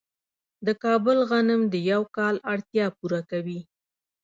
د کابل غنم د یو کال اړتیا پوره کوي.